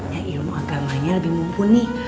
ya ilmu agamanya lebih mumpuni